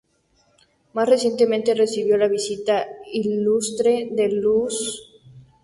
Más recientemente recibió la visita ilustre de Luiz Inácio Lula da Silva.